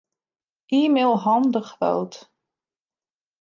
E-mail Han de Groot.